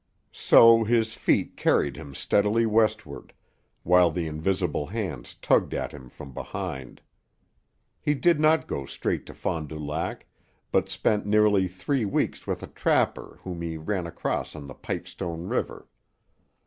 So his feet carried him steadily westward, while the invisible hands tugged at him from behind. He did not go straight to Fond du Lac, but spent nearly three weeks with a trapper whom he ran across on the Pipestone River.